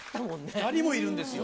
２人もいるんですよ。